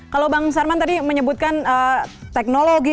kalau bang sarman tadi menyebutkan teknologi